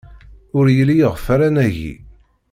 Ur yelli iɣef ara nagi.